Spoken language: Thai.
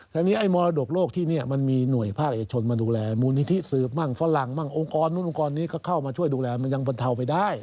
แต่นี่ไอ้มรดกโลกที่นี่มันมีหน่วยภาคเอกชนมาดูแลมูลนิธิสืบฟรังองค์กรนี่ก็เข้ามาช่วยดูแลมันยังบรรเทาไปได้